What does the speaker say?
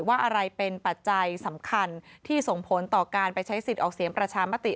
ว่าอะไรเป็นปัจจัยสำคัญที่ส่งผลต่อการไปใช้สิทธิ์ออกเสียงประชามติ